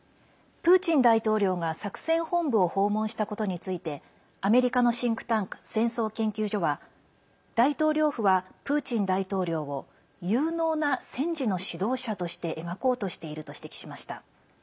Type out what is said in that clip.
プーチン大統領が作戦本部を訪問したことについてアメリカのシンクタンク戦争研究所は大統領府はプーチン大統領を有能な戦時の指導者として描こうとしていると指摘しました。